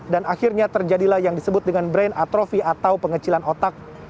dan akhirnya terjadilah yang disebut dengan brain atrophy atau pengecilan otak